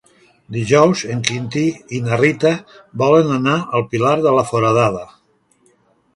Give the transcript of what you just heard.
Dijous en Quintí i na Rita volen anar al Pilar de la Foradada.